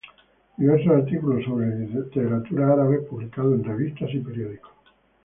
Diversos artículos sobre Literatura árabe publicados en revistas y periódicos.